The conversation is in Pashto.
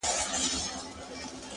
نن مي واخله پر سر یو مي سه تر سونډو,